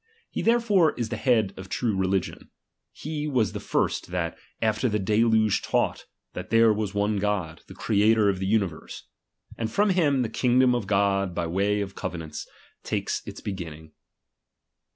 He therefore is the head of true religion ; he was the first that after Ihe deluge taught, that there was one God, the Creator of the universe. And from him the king dom of God by way of covenants, takes its begin ning.